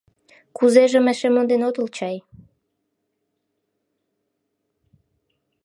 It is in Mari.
Кузежым эше монден отыл чай.